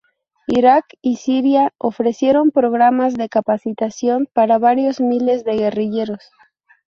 Irak y Siria ofrecieron programas de capacitación para varios miles de guerrilleros.